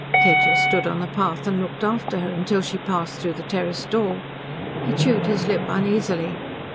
Kedgers stood on the path and looked after her until she passed through the terrace door. He chewed his lip uneasily.